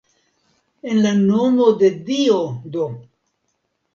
En la nomo de Dio do!